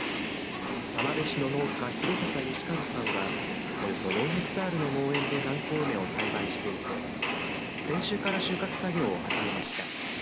田辺市の農家、廣畑佳和さんはおよそ４ヘクタールの農園で南高梅を栽培していて先週から収穫作業を始めました。